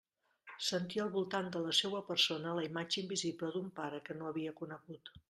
Sentia al voltant de la seua persona la imatge invisible d'un pare que no havia conegut.